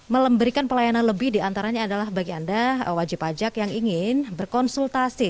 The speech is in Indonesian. memberikan pelayanan lebih diantaranya adalah bagi anda wajib pajak yang ingin berkonsultasi